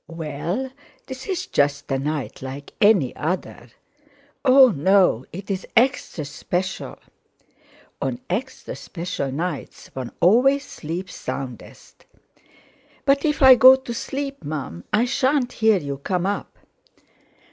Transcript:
"Well, this is just a night like any other." "Oh! no—it's extra special." "On extra special nights one always sleeps soundest." "But if I go to sleep, Mum, I shan't hear you come up."